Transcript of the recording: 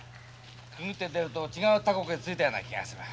くぐって出ると違う他国へ着いたような気がする。